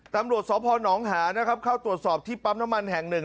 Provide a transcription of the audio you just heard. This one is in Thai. ตำรวจสพนหานะครับเข้าตรวจสอบที่ปั๊มน้ำมันแห่งหนึ่ง